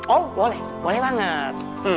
oh boleh boleh banget